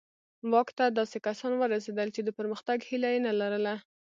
واک ته داسې کسان ورسېدل چې د پرمختګ هیله یې نه لرله.